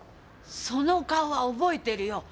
その顔は覚えてるよ。